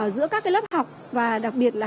giữa các lớp học và đặc biệt là